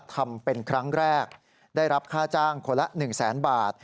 ทำเป็นครั้งแรกได้รับค่าจ้างคนละ๑แสนบาท